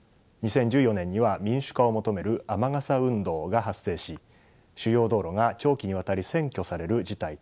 ２０１４年には民主化を求める雨傘運動が発生し主要道路が長期にわたり占拠される事態となりました。